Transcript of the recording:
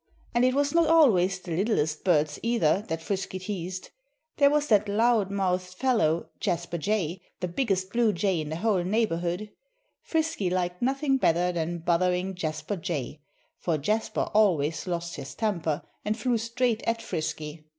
And it was not always the littlest birds, either, that Frisky teased. There was that loud mouthed fellow, Jasper Jay, the biggest blue jay in the whole neighborhood. Frisky liked nothing better than bothering Jasper Jay for Jasper always lost his temper and flew straight at Frisky.